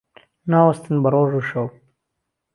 ناوەستن بە ڕۆژ و شەو